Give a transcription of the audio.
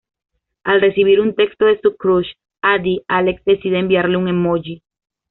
Al recibir un texto de su "crush" Addie, Alex decide enviarle un emoji.